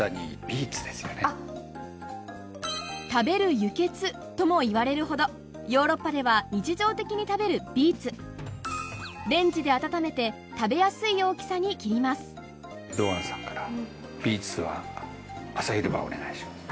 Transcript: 「食べる輸血」ともいわれるほどヨーロッパでは日常的に食べるビーツレンジで温めて食べやすい大きさに切りますお願いします。